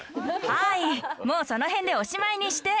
はいもうその辺でおしまいにして。